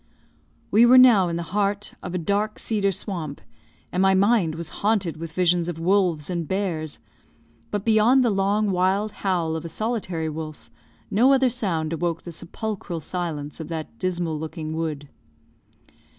We were now in the heart of a dark cedar swamp, and my mind was haunted with visions of wolves and bears; but beyond the long, wild howl of a solitary wolf, no other sound awoke the sepulchral silence of that dismal looking wood.